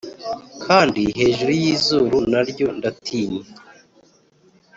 (kandi hejuru yizuru naryo, ndatinya)